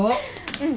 うん。